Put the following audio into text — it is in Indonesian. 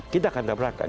kita akan tamrakan